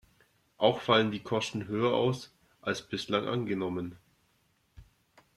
Auch fallen die Kosten höher aus, als bislang angenommen.